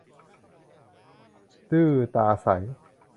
ดื้อตาใส